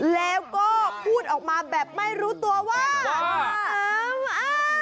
แล้วก็พูดออกมาแบบไม่รู้ตัวว่าอ้าว